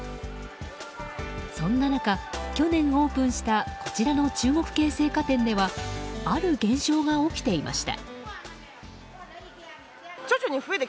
そんな中、去年オープンしたこちらの中国系青果店ではある現象が起きていました。